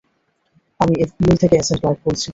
আমি এফবিআই থেকে agent Clark বলছি।